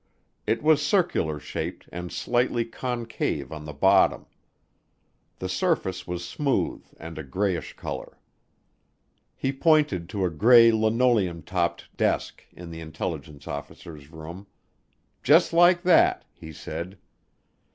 It was circular shaped and slightly concave on the bottom. The surface was smooth and a grayish color. He pointed to a gray linoleum topped desk in the intelligence officer's room. "Just like that," he said.